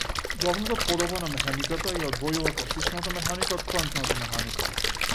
Главната поделба на механиката ја одвојува класичната механика од квантната механика.